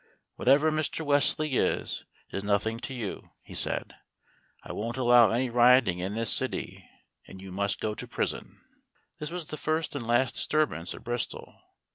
"Whatever Mr. Wesley is, is nothing to you," he said. "I won't allow any rioting in this city, and you must go to prison." This was the first and last disturbance at Bristol.